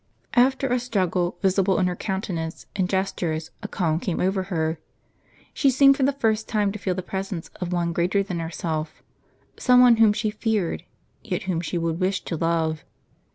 After a struggle, visible in her countenance and gestures, a calm came over her. She seemed for the first time to feel the presence of One greater than herself, some one whom she feared, yet whom she would wish to love.